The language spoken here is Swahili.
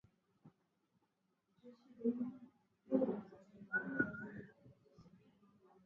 Chini ya asilimia kumi ya wanyama hufa baada ya huduma ya homa ya mapafu